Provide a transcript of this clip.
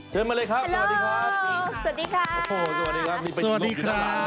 เชิญมาเลยครับสวัสดีครับสวัสดีครับ